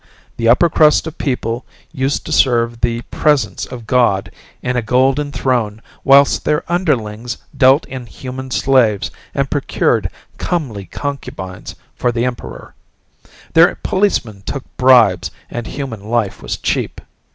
The upper crust of people used to serve the Presence of God in a golden throne whilst their underlings dealt in human slaves and procured comely concubines for the emperor; their policemen took bribes and human life was cheap.